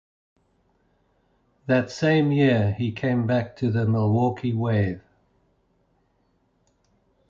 That same year, he came back to the Milwaukee Wave.